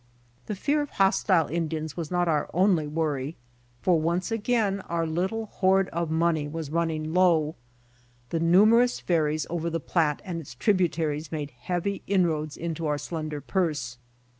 The fear of hostile Indians was not our only worry, for once again our little hoard of money was running low. The numerous ferries over the Platte and its tributaries made heavy inroads into our slen der purse.